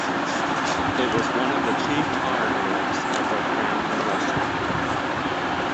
It was one of the chief ironworks of the crown in Russia.